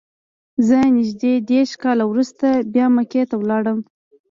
زه نږدې دېرش کاله وروسته بیا مکې ته لاړم.